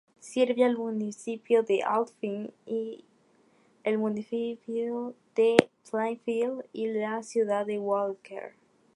Sirve el Municipio de Alpine, el Municipio de Plainfield, y la Ciudad de Walker.